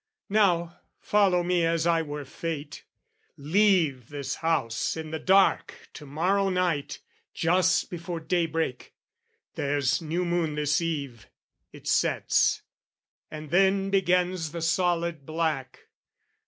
Now follow me as I were fate! "Leave this house in the dark to morrow night, "Just before daybreak: there's new moon this eve "It sets, and then begins the solid black.